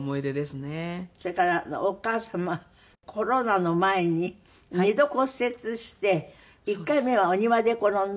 それからお母様はコロナの前に２度骨折して１回目はお庭で転んで？